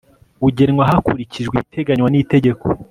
ugenwa hakurikijwe ibiteganywa n itegeko